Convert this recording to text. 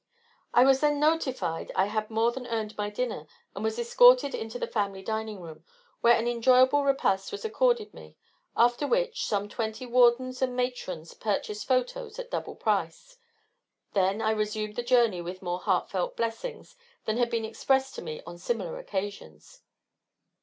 I was then notified I had more than earned my dinner, and was escorted into the family dining room, where an enjoyable repast was accorded me, after which, some twenty wardens and matrons purchased photos at double price. Then I resumed the journey with more heartfelt blessings than had been expressed to me on similar occasions.